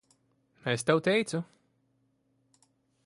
Es tev teicu.